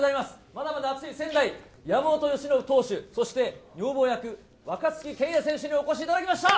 まだまだあつい仙台、山本由伸投手、そして女房役、若月健矢選手にお越しいただきました！